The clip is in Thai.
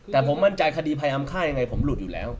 แต่ผมมั่นใจคดีพยายามฆ่ายังไงผมหลุดอยู่แล้ว